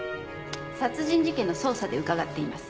殺人事件の捜査で伺っています。